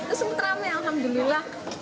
terus sempat teramai alhamdulillah